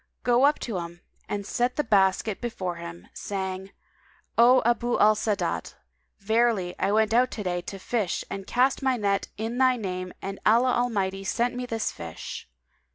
Go up to him and set the basket before him, saying,: 'O Abu al Sa'adat, verily I went out to day to fish and cast my net in thy name and Allah Almighty sent me this fish.'